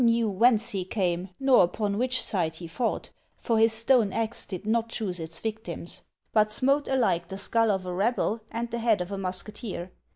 403 knew whence he came, nor upon which side he fought ; for his stone axe did not choose its victims, but smote alike the skull of a rebel and the head of a musketeer.